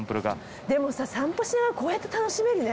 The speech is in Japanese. でもさ散歩しながらこうやって楽しめるね。